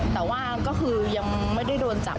แต่ว่าก็คือยังไม่ได้โดนจับ